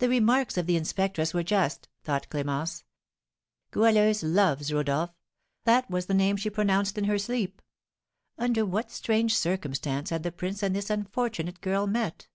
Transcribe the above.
"The remarks of the inspectress were just," thought Clémence. "Goualeuse loves Rodolph; that was the name which she pronounced in her sleep. Under what strange circumstance had the prince and this unfortunate girl met?